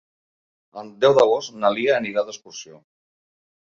El deu d'agost na Lia anirà d'excursió.